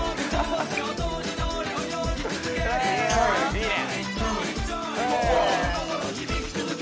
いいね。